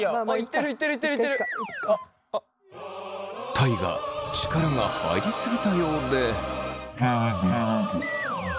大我力が入り過ぎたようで。